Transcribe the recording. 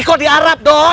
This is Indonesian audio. iko di arab doi